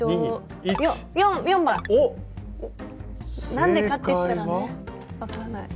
何でかって言ったらね分かんない。